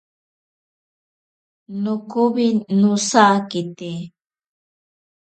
Nokowi nosakite.